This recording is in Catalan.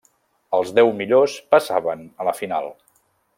Els deu millors passaven a la final.